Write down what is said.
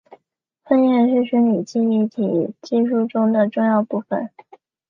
分页是虚拟记忆体技术中的重要部份。